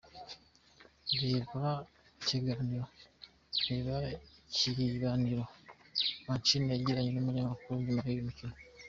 Reba ikibaniro Mancini yagiranye n'umunyamkuru nyuma y'uyu mukino:.